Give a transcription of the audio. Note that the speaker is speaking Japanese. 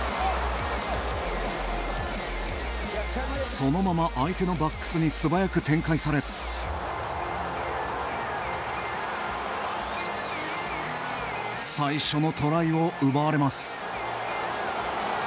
そのまま相手のバックスに素早く展開され最初のトライを奪われます。